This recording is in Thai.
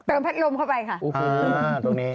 เติมพัดลมเข้าไปค่ะอู๋ฮูตรงนี้